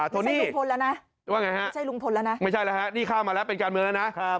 นี่ลุงพลแล้วนะว่าไงฮะไม่ใช่ลุงพลแล้วนะไม่ใช่แล้วฮะนี่ข้ามมาแล้วเป็นการเมืองแล้วนะ